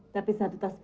tapi satu tas pakaian